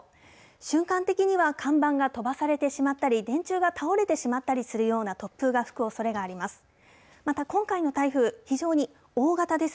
瞬間的には看板が飛ばされてしまったり、電柱が倒れてしまったりするような突風が吹くおそれがあります。